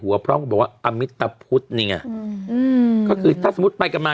หัวพร้อมบอกว่าอมิตพุทธนี่ไงก็คือถ้าสมมุติไปกลับมา